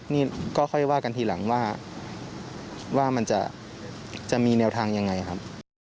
นี่ก็ค่อยว่ากันทีหลังว่ามันจะมีแนวทางยังไงครับ